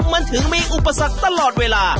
มันถึงมีอุปสรรคตลอดเวลา